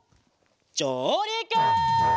じょうりく！